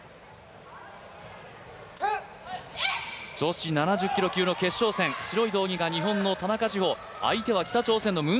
女子７０キロ級の決勝戦、白い道着が日本の田中志歩。